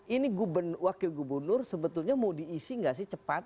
ini wakil gubernur sebetulnya mau diisi gak sih cepat